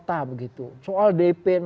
baik buat kita berkota begitu